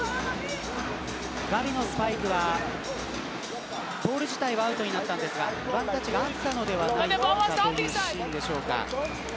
ガビのスパイクはボール自体はアウトになりましたがワンタッチがあったのではないかというシーンでしょうか。